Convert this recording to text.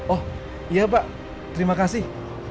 oh iya pak terima kasih